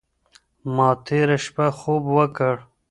ما تېره شپه خوب وکړ.